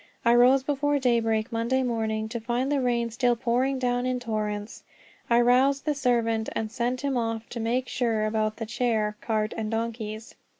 I rose before daybreak Monday morning, to find the rain still pouring down in torrents. I roused the servant, and sent him off to make sure about the chair, cart, and donkeys.